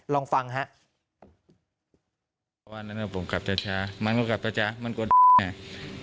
ลองฟังฮะวันนั้นผมกลับเวลาช้ามันก็กลับเวลาช้ามันกลัว